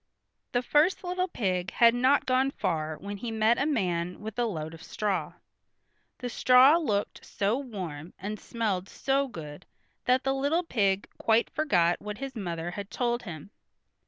The first little pig had not gone far when he met a man with a load of straw. The straw looked so warm, and smelled so good that the little pig quite forgot what his mother had told him.